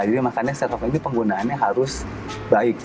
jadi makanya serofoam ini penggunaannya harus baik